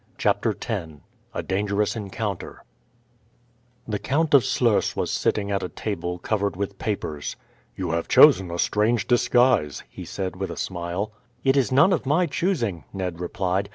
CHAPTER X A DANGEROUS ENCOUNTER The Count of Sluys was sitting at a table covered with papers. "You have chosen a strange disguise," he said with a smile. "It is none of my choosing," Ned replied.